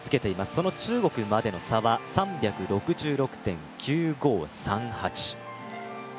その中国までの差は３６６．９５３８。